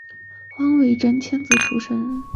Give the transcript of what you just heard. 尾野真千子出身。